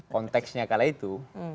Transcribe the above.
konteksnya kala itu